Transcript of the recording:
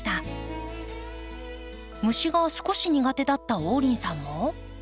虫が少し苦手だった王林さんも。